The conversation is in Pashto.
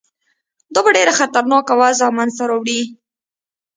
دا به ډېره خطرناکه وضع منځته راوړي.